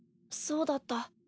そうだった。